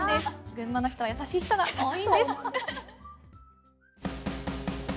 群馬の人は優しい人が多いんです。